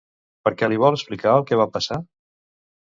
Per què li vol explicar el que va passar?